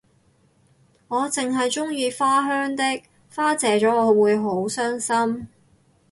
我淨係鍾意花香啲花謝咗我會好傷心